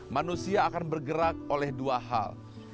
manusia akan bergerak oleh dua hal